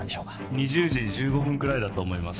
２０時１５分ぐらいだと思います